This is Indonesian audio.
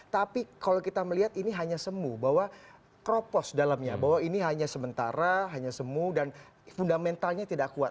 tapi kalau kita melihat ini hanya semu bahwa kropos dalamnya bahwa ini hanya sementara hanya semu dan fundamentalnya tidak kuat